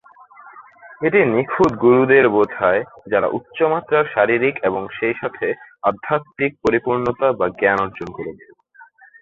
এটি নিখুঁত গুরুদের বোঝায় যারা উচ্চ মাত্রার শারীরিক এবং সেইসাথে আধ্যাত্মিক পরিপূর্ণতা বা জ্ঞান অর্জন করেছেন।